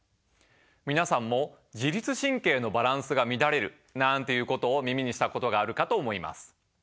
皆さんも自律神経のバランスが乱れるなんていうことを耳にしたことがあるかと思います。